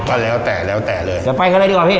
ก็แล้วแต่แล้วแต่เลยจะไปกันเลยดีกว่าพี่